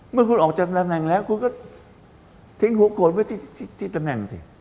เมื่อคุณออกจากตำแหน่งแล้วคุณก็ทิ้งหัวโขดไว้ที่ตำแหน่งสิ